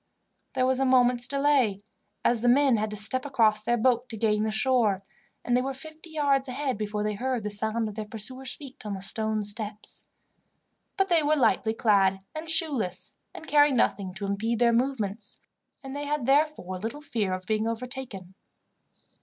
There was a moment's delay, as the men had to step across their boat to gain the shore, and they were fifty yards ahead before they heard the sound of their pursuers' feet on the stone steps; but they were lightly clad and shoeless, and carried nothing to impede their movements, and they had therefore little fear of being overtaken.